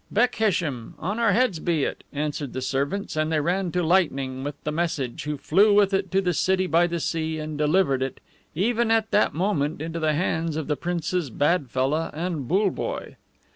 "Bekhesm! On our heads be it!" answered the servants; and they ran to Lightning with the message, who flew with it to the City by the Sea, and delivered it, even at that moment, into the hands of the Princes BADFELLAH and BULLEBOYE.